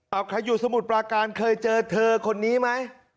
เอาใครอยู่สมุทรปราการเคยเจอเธอคนนี้ไหม